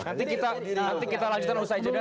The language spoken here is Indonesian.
nanti kita lanjutkan usai jeda